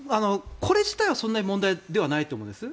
これ自体はそんなに問題ではないと思うんです。